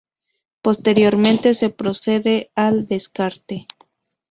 Posteriormente se procede al descarte.